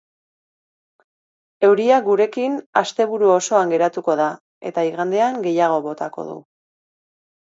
Euria gurekin asteburu osoan geratuko da, eta igandean gehiago botako du.